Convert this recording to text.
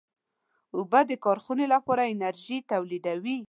اوبه د کارخانې لپاره انرژي تولیدوي.